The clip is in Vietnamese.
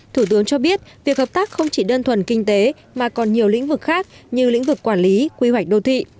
thủ tướng cho biết việc hợp tác không chỉ đơn thuần kinh tế mà còn nhiều lĩnh vực khác như lĩnh vực quản lý quy hoạch đô thị